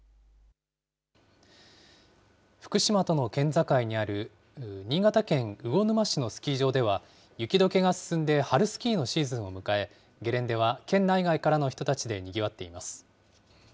福島との県境にある、新潟県魚沼市のスキー場では、雪どけが進んで、春スキーのシーズンを迎え、ゲレンデは県内外からの人たちでにぎわっています。